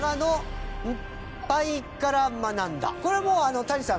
これはもう谷さん